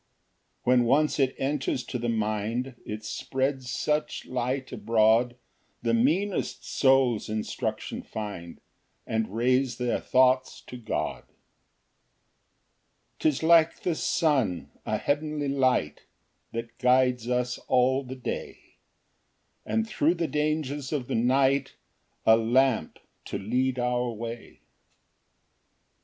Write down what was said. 2 When once it enters to the mind, It spreads such light abroad, The meanest souls instruction find, And raise their thoughts to God. Ver. 105. 3 'Tis like the sun, a heavenly light, That guides us all the day; And thro' the dangers of the night, A lamp to lead our way.